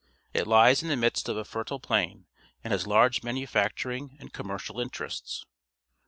It lies in the midst of a fertile plain and has large manufacturing and commercial interests.